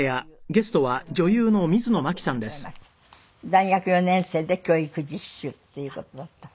大学４年生で教育実習っていう事だった。